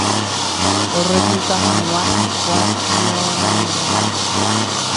orecluta hag̃ua hikuái ñorãirõrã